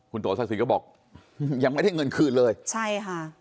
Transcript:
คุณโตสักสิทธิ์ก็บอกยังไม่ได้เงินคืนเลยใช่ค่ะ